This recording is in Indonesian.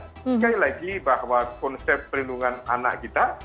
sekali lagi bahwa konsep perlindungan anak kita